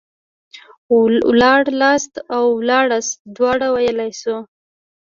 ولاړلاست او ولاړاست دواړه ويلاى سو.